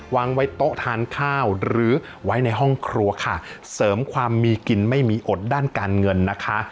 วางไว้โต๊ะทานข้าวหรือไว้ในห้องครัวค่ะเสริมความมีกินไม่มีอดด้านการเงินนะคะ